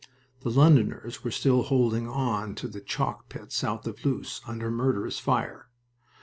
The Londoners were still holding on to the chalk pit south of Loos, under murderous fire.